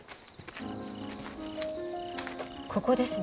ここですね。